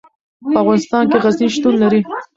په افغانستان کې غزني شتون لري.